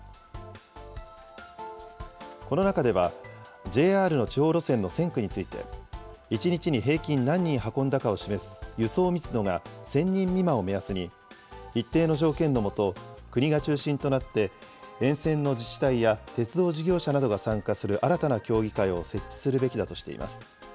この中では、ＪＲの地方路線の線区について、１日に平均何人運んだかを示す輸送密度が１０００人未満を目安に、一定の条件のもと、国が中心となって、沿線の自治体や鉄道事業者などが参加する新たな協議会を設置するべきだとしています。